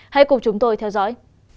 hãy cùng chúng tôi theo dõi